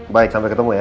baik sampai ketemu ya